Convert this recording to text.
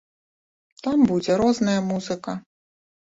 Там будзе розная музыка.